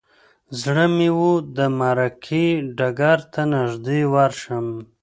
زړه مې و د معرکې ډګر ته نږدې ورشم.